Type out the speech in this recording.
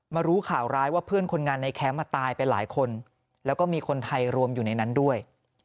รู้ข่าวร้ายว่าเพื่อนคนงานในแคมป์ตายไปหลายคนแล้วก็มีคนไทยรวมอยู่ในนั้นด้วย